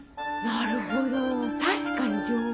なるほど確かに女王蜂。